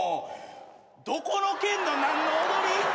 どこの県の何の踊り？